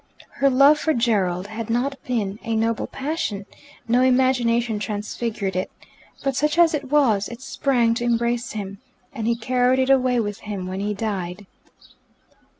Her love for Gerald had not been a noble passion: no imagination transfigured it. But such as it was, it sprang to embrace him, and he carried it away with him when he died.